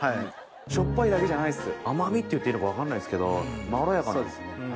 しょっぱいだけじゃないっす甘みって言っていいのか分かんないっすけどまろやかなんですね。